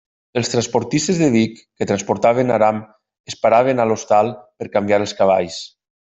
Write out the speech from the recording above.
Els transportistes de Vic, que transportaven aram es paraven a l'hostal per canviar els cavalls.